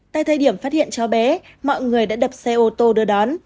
tại thời điểm phát hiện cháu bé mọi người đã đập xe ô tô đưa đón